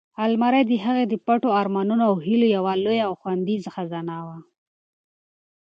المارۍ د هغې د پټو ارمانونو او هیلو یوه لویه او خوندي خزانه وه.